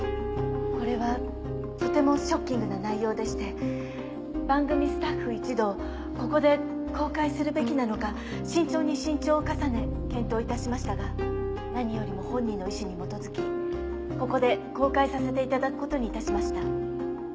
これはとてもショッキングな内容でして番組スタッフ一同ここで公開するべきなのか慎重に慎重を重ね検討いたしましたが何よりも本人の意思に基づきここで公開させていただくことにいたしました。